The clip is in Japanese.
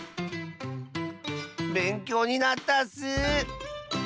べんきょうになったッス！